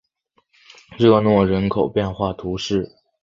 热诺人口变化图示